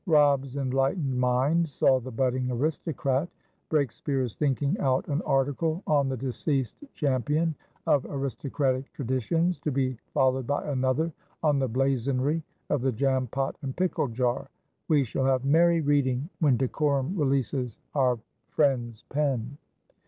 Robb's enlightened mind saw the budding aristocrat. Breakspeare is thinking out an article on the deceased champion of aristocratic traditions, to be followed by another on the blazonry of the jam pot and pickle jar. We shall have merry reading when decorum releases our friend's pen."